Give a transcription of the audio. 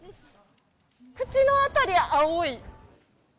口の辺り、青い。